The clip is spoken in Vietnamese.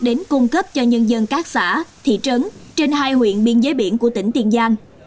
đến cung cấp cho nhân dân các xã thị trấn trên hai huyện biên giới biển của tỉnh tiền giang